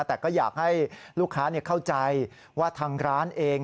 แต่ก็อยากให้ลูกค้าเข้าใจว่าทางร้านเอง